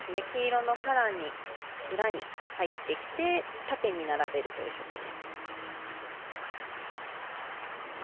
黄色のさらに裏に入ってきて縦に並べるというショットです。